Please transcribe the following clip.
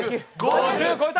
５０超えた。